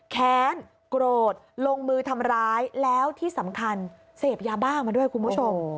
แค้นโกรธลงมือทำร้ายแล้วที่สำคัญเสพยาบ้ามาด้วยคุณผู้ชม